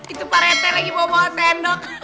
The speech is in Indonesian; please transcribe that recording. itu pak rete lagi bawa bawa tendok